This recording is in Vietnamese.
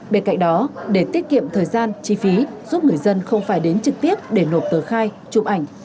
bên cạnh đó để tiết kiệm thời gian chi phí giúp người dân không phải đến trực tiếp để nộp tờ khai chụp ảnh